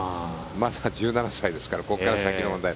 まだ１７歳ですからここから先の問題。